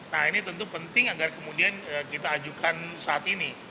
nah ini tentu penting agar kemudian kita ajukan saat ini